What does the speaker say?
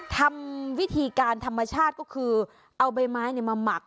ทำวิธีการธรรมชาติก็คือเอาใบไม้มาหมัก